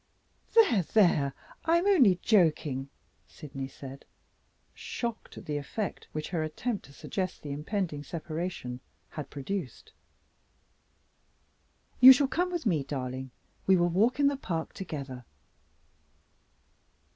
"There! there! I am only joking," Sydney said, shocked at the effect which her attempt to suggest the impending separation had produced. "You shall come with me, darling; we will walk in the park together."